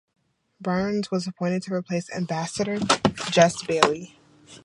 Byrnes was appointed to replace Ambassador Jess Baily.